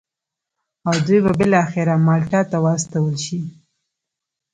او دوی به بالاخره مالټا ته واستول شي.